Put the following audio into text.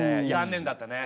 残念だったね。